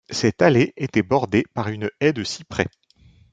Cette allée était bordée par une haie de cyprès.